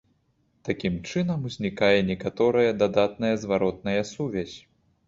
Такім чынам, узнікае некаторая дадатная зваротная сувязь.